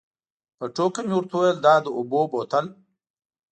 په ټوکه مې ورته وویل دا د اوبو بوتل.